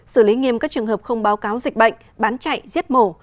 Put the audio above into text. xử lý nghiêm các trường hợp không báo cáo dịch bệnh bán chạy giết mổ